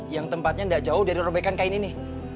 yang tempatnya tidak jauh dari robekan kain ini